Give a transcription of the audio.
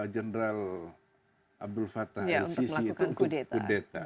jenderal abdul fattah al sisi itu untuk kudeta